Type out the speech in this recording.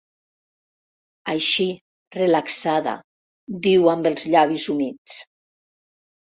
Així, relaxada, diu amb els llavis humits.